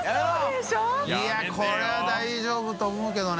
い笋これは大丈夫と思うけどね。